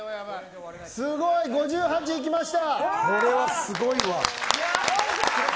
すごい記録５８回いきました。